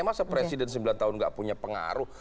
masa presiden sembilan tahun gak punya pengaruh